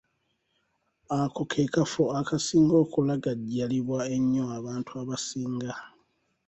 Ako ke kafo akasinga okulagajjalibwa ennyo abantu abasinga.